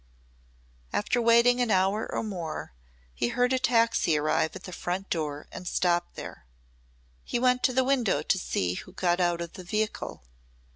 After waiting an hour or more he heard a taxi arrive at the front door and stop there. He went to the window to see who got out of the vehicle.